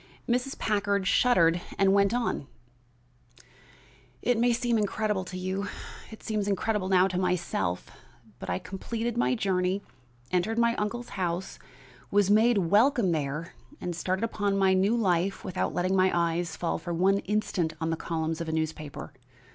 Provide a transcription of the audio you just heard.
Mrs. Packard shuddered and went on: "It may seem incredible to you, it seems incredible now to myself, but I completed my journey, entered my uncle's house, was made welcome there and started upon my new life without letting my eyes fall for one instant on the columns of a newspaper.